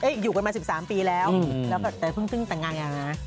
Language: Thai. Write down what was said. เอ๊ะอยู่กันมา๑๓ปีแล้วแต่เพิ่งตึ้งแต่งงานอย่างนั้นนะ